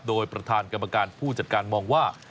โดยประธานกรรมการผู้จัดการมองว่า